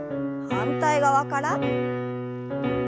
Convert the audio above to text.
反対側から。